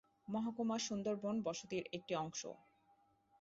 মহকুমা সুন্দরবন বসতির একটি অংশ।